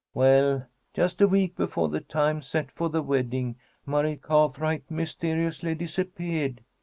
Well, just a week before the time set for the wedding, Murray Cathright mysteriously disappeared.